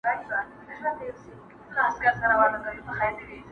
له ارغوان تر لاله زار ښکلی دی!!